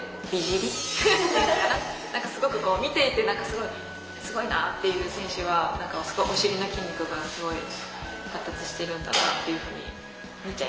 見ていてすごいなっていう選手はお尻の筋肉がすごい発達してるんだなっていうふうに見ちゃいますね。